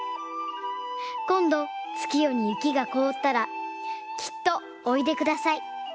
こんどつきよに雪がこおったらきっとおいでください。